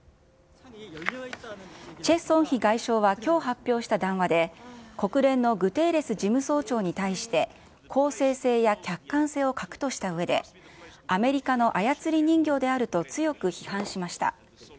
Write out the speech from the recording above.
チェ・ソンヒ外相はきょう発表した談話で、国連のグテーレス事務総長に対して公正性や客観性を欠くとしたうえで、アメリカの操り人形であると強く批判しました。